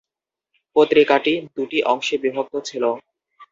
পত্রিকাটি দুটি অংশে বিভক্ত ছিল।